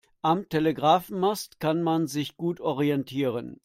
Am Telegrafenmast kann man sich gut orientieren.